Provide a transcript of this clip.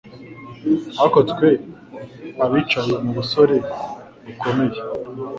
Ariko twe abicaye mubusore bukomeye